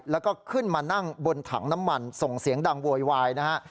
แล้วก็ขึ้นมานั่งบนถังน้ำมันส่งเสียงดังโวยวายนะฮะ